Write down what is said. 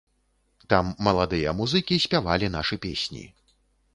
Там маладыя музыкі спявалі нашы песні.